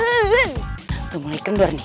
udah mulai kendor nih